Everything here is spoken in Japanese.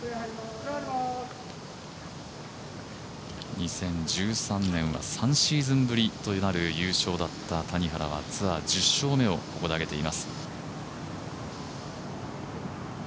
２０１３年は３シーズンぶりとなる優勝だった谷原はツアー１０勝目をここで挙げています。